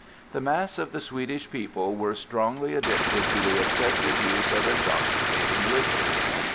The mass of the Swedish people were strongly addicted to the excessive use of intoxicating liquors.